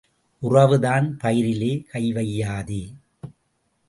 உறவுதான் பயிரிலே கை வாயாதே.